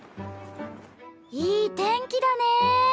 いい天気だね。